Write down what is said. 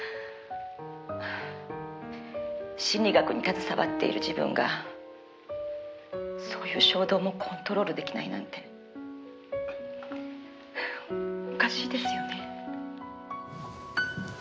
「心理学に携わっている自分がそういう衝動もコントロールできないなんておかしいですよね」